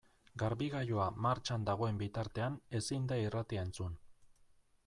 Garbigailua martxan dagoen bitartean ezin da irratia entzun.